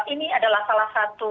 ini adalah salah satu